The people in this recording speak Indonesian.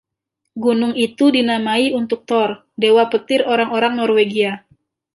Gunung itu dinamai untuk Thor, Dewa petir orang-orang Norwegia.